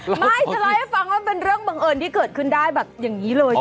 ไม่จะเล่าให้ฟังว่าเป็นเรื่องบังเอิญที่เกิดขึ้นได้แบบอย่างนี้เลย